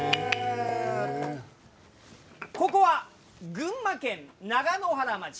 ここは群馬県長野原町。